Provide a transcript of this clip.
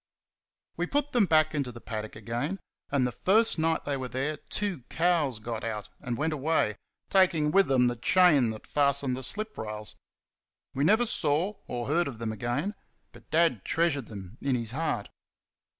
We put them back into the paddock again, and the first night they were there two cows got out and went away, taking with them the chain that fastened the slip rails. We never saw or heard of them again; but Dad treasured them in his heart.